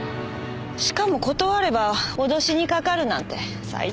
しかも断れば脅しにかかるなんて最低だね。